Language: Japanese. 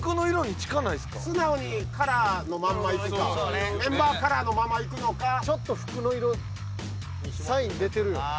素直にカラーのまんまにするかメンバーカラーのままいくのかちょっと服の色サイン出てるよ